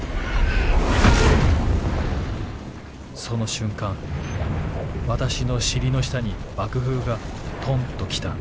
「その瞬間私の尻の下に爆風がとんと来た。